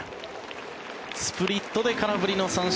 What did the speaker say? スプリットで空振りの三振。